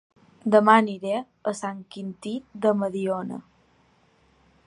Dema aniré a Sant Quintí de Mediona